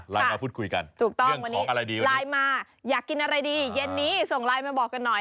หยุดตัวนี้ส่งไลน์มาบอกกันหน่อย